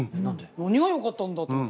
何がよかったんだと思って。